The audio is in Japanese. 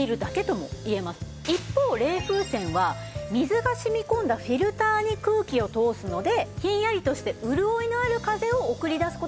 一方冷風扇は水が染み込んだフィルターに空気を通すのでひんやりとして潤いのある風を送り出す事ができるんです。